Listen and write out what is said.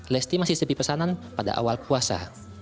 lesti masih sepi pesanan pada awal puasa